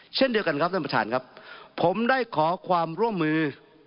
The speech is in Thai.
เช่นเดียวกันครับท่านประธานครับผมได้ขอความร่วมมือ